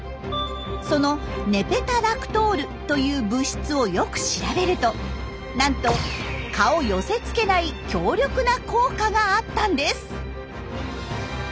その「ネペタラクトール」という物質をよく調べるとなんと蚊を寄せつけない強力な効果があったんです。